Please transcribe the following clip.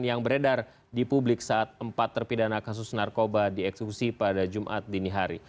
yang beredar di publik saat empat terpidana kasus narkoba dieksekusi pada jumat dini hari